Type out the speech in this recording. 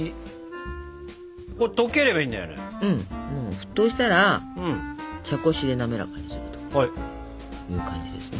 沸騰したら茶こしで滑らかにするという感じですね。